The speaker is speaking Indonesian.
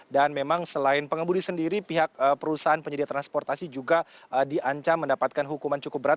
dan memang selain pengemudi sendiri pihak perusahaan penyedia transportasi juga diancam mendapatkan hukuman cukup berat